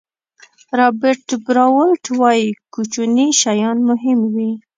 رابرټ براولټ وایي کوچني شیان مهم وي.